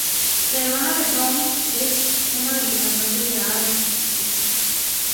La hermana de Björn es uno de los cantantes de All Ends.